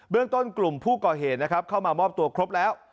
เรื่องต้นกลุ่มผู้ก่อเหตุนะครับเข้ามามอบตัวครบแล้ว